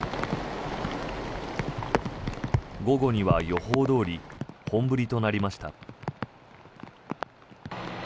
午後には予報どおり本降りとなりました。